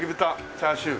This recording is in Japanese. チャーシュー。